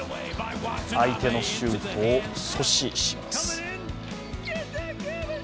相手のシュートを阻止します。